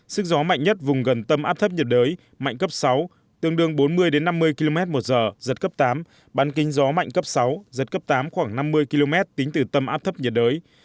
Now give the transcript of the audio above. sức gió mạnh nhất vùng gần tâm áp thấp nhiệt đới mạnh cấp sáu tương đương bốn mươi năm mươi km một giờ giật cấp tám bán kinh gió mạnh cấp sáu giật cấp tám khoảng năm mươi km tính từ tâm áp thấp nhiệt đới